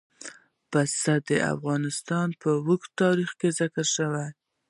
پسه د افغانستان په اوږده تاریخ کې ذکر شوی دی.